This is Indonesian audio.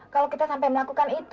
kalau kita sampai melakukan itu